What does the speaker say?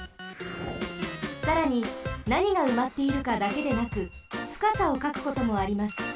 さらになにがうまっているかだけでなくふかさをかくこともあります。